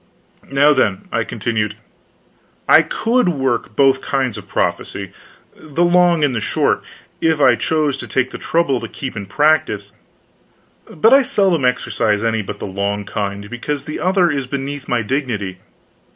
"Now, then," I continued, "I could work both kinds of prophecy the long and the short if I chose to take the trouble to keep in practice; but I seldom exercise any but the long kind, because the other is beneath my dignity.